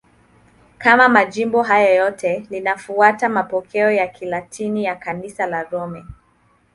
Kama majimbo hayo yote, linafuata mapokeo ya Kilatini ya Kanisa la Roma.